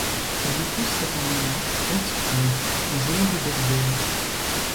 Elle épouse cette année-là Ed Sprague, un joueur de baseball.